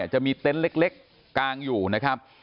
จะมีเต็นต์เล็กกางอยู่นะครับ